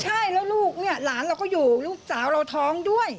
ใช่แล้วลูกเนี่ยหลานเราก็อยู่ลูกสาวเราท้องด้วย